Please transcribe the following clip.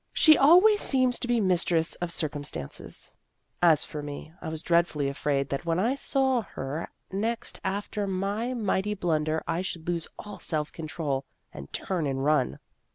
She always seems to be mistress of circumstances. As for me, I was dreadfully afraid that when I saw her next after my mighty blunder I should lose all self control, and turn and run.